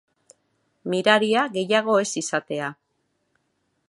Miraria gehiago ez izatea.